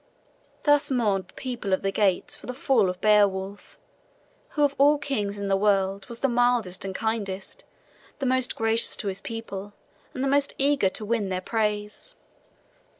Thus mourned the people of the Geats for the fall of Beowulf, who of all kings in the world was the mildest and kindest, the most gracious to his people, and the most eager to win their praise.